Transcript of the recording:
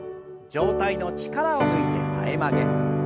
上体の力を抜いて前曲げ。